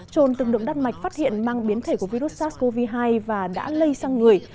trồn từng được đan mạch phát hiện mang biến thể của virus sars cov hai và đã lây sang người